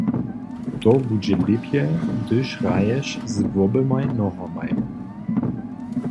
To budźe lěpje, hdyž hraješ z woběmaj nohomaj.